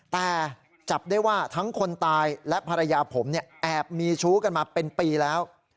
แต่จับได้ว่าทั้งคนตายและภรรยาผมแอบมีชู้กันมาเป็นปีแล้ว